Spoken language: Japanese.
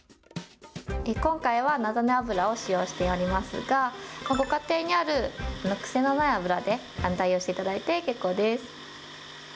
今回は菜種油を使用しておりますが、ご家庭にある癖のない油で代用していただいて結構です。